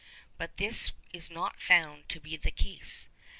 But this is not found to be the case.